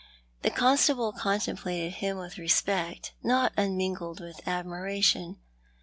The constable contemplated him with respect, not unmingled witt admiration.